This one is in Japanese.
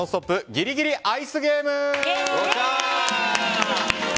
ギリギリアイスゲーム。